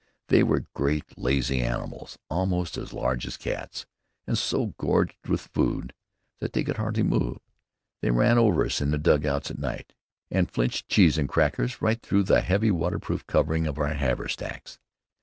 They were great lazy animals, almost as large as cats, and so gorged with food that they could hardly move. They ran over us in the dugouts at night, and filched cheese and crackers right through the heavy waterproofed covering of our haversacks.